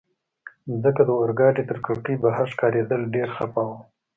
مځکه د اورګاډي تر کړکۍ بهر ښکارېدل، ډېر خفه وم.